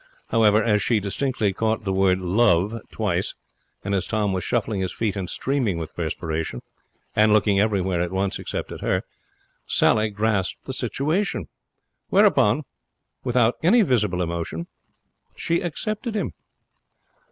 However, as she distinctly caught the word 'love' twice, and as Tom was shuffling his feet and streaming with perspiration, and looking everywhere at once except at her, Sally grasped the situation. Whereupon, without any visible emotion, she accepted him.